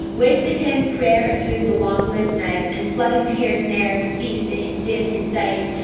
Wasted him prayer a through the long lived night, And flooding tears ne'er cease to dim his sight.